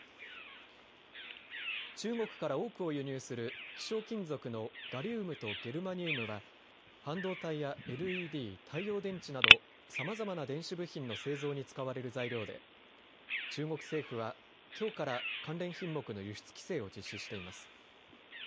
中国から多くを輸入する希少金属のガリウムとゲルマニウムは半導体やＬＥＤ、太陽電池などさまざまな電子部品の製造に使われる材料で中国政府はきょうから関連品目の輸出規制を実施しています。